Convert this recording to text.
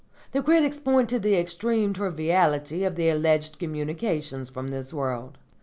The critics point to the extreme triviality of the alleged communications from this world.